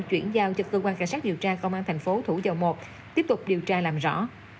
chuyển giao cho cơ quan cảnh sát điều tra công an thành phố thủ dầu một tiếp tục điều tra làm rõ